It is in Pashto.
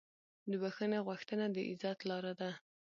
د بښنې غوښتنه د عزت لاره ده.